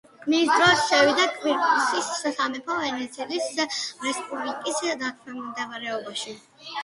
მის დროს შევიდა კვიპროსის სამეფო ვენეციის რესპუბლიკის დაქვემდებარებაში.